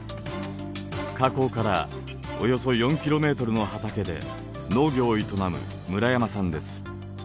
火口からおよそ４ｋｍの畑で農業を営む村山さんです。